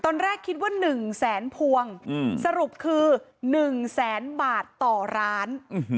ตอนแรกคิดว่า๑แสนพวงสรุปคือ๑แสนบาทต่อร้าน